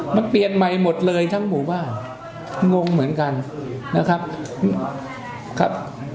มันเปลี่ยนใหม่หมดเลยทั้งหมู่บ้านงงเหมือนกันนะครับครับ